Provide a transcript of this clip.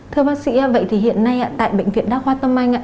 thưa bác sĩ vậy thì hiện nay tại bệnh viện đa khoa tâm anh ạ